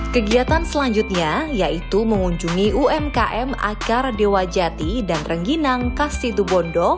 kegiatan selanjutnya yaitu mengunjungi umkm akar dewa jati dan rengginang kastitubondo